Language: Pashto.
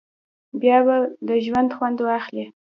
بیا به د ژونده خوند واخلی.